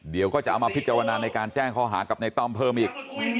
เดี๋ยวก็จะเอามาพิจารณาในการแจ้งข้อหากับในต้อมเพิ่มอีก